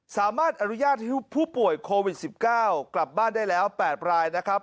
สามารถอนุญาตให้ผู้ป่วยโควิด๑๙กลับบ้านได้แล้ว๘รายนะครับ